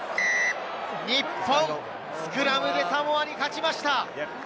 日本、スクラムでサモアに勝ちました。